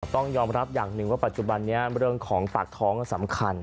ต้องยอมรับอย่างหนึ่งว่าปัจจุบันนี้เรื่องของปากท้องสำคัญ